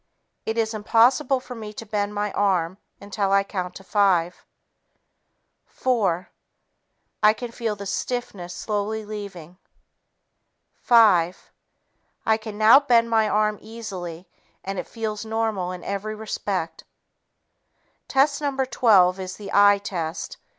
It is impossible for me to bend my arm until I count to five. Four ... I can feel the stiffness slowly leaving. Five ... I can now bend my arm easily and it feels normal in every respect." Test No. 12 is the "eye" test.